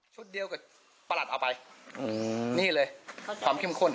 เดียวกับประหลัดเอาไปนี่เลยความเข้มข้น